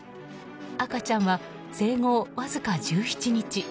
赤ちゃんは生後わずか１７日。